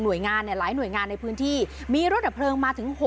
โดยงานเนี่ยหลายหน่วยงานในพื้นที่มีรถดับเพลิงมาถึง